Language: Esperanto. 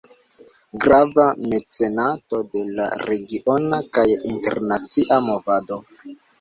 Grava mecenato de la regiona kaj internacia movado.